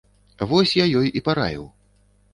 Вось я ёй і параіў.